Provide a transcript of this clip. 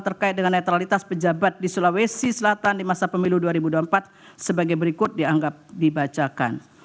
terkait dengan netralitas pejabat di sulawesi selatan di masa pemilu dua ribu dua puluh empat sebagai berikut dianggap dibacakan